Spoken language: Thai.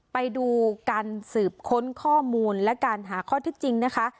ไปดูการสืบค้นข้อมูลและการหาข้อเท็จจริงนะคะ